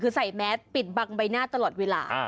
คือใส่แมสปิดบังใบหน้าตลอดเวลา